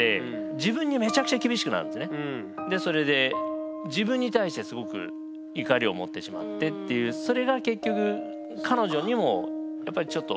それで自分に対してすごく怒りを持ってしまってっていうそれが結局彼女にもやっぱりちょっと。